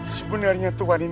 sebenarnya tuhan ini siapa